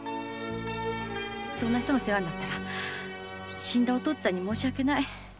そんな人の世話になったら死んだお父っつぁんに申し訳ない。